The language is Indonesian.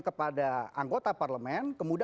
kepada anggota parlemen kemudian